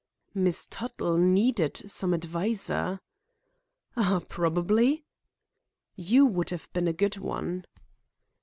"Miss Tuttle needed some adviser." "Ah, probably." "You would have been a good one."